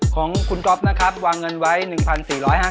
ของคุณก๊อฟนะครับวางเงินไว้๑๔๕๐